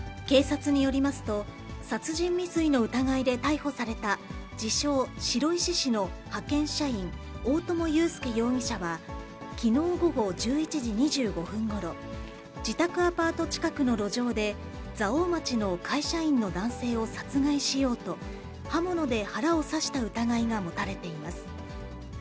警察によりますと、殺人未遂の疑いで逮捕された、自称、白石市の派遣社員、大友祐介容疑者は、きのう午後１１時２５分ごろ、自宅アパート近くの路上で、蔵王町の会社員の男性を殺害しようと、刃物で腹を刺した疑いが持たれています。